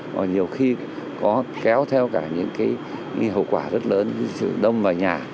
mà nhiều khi có kéo theo cả những cái hậu quả rất lớn như sự đâm vào nhà